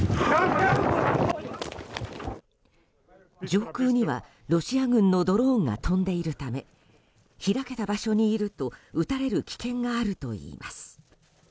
上空には、ロシア軍のドローンが飛んでいるため開けた場所にいると撃たれる危険があるといいます。